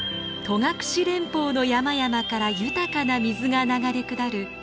戸隠連峰の山々から豊かな水が流れ下る